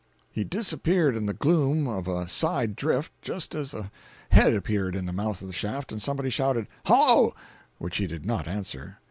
279.jpg (47K) He disappeared in the gloom of a "side drift" just as a head appeared in the mouth of the shaft and somebody shouted "Hello!"—which he did not answer.